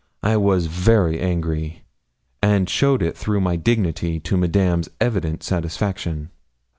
I was very angry, and showed it through my dignity, to Madame's evident satisfaction.